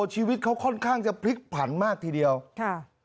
ชีวิตเขาค่อนข้างจะพลิกผันมากทีเดียวค่ะ